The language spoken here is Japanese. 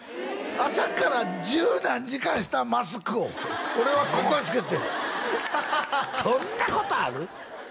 朝から十何時間したマスクを俺はここへ着けてそんなことある！？